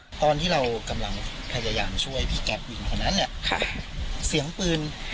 ตอนที่เรากำลังพยายามช่วยพี่แก๊ปหญิงคนนั้นแหละค่ะเสียงปืน